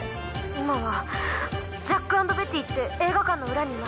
今は「ジャックアンドベティ」って映画館の裏にいます。